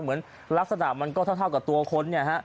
เหมือนลักษณะมันก็เท่ากับตัวคนเนี่ยฮะ